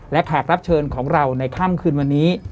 และแขกรับเชิญของเราในค่ำคืนวันนี้